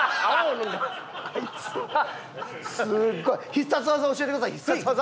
必殺技を教えてください必殺技！